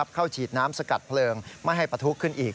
เข้าฉีดน้ำสกัดเพลิงไม่ให้ปะทุขึ้นอีก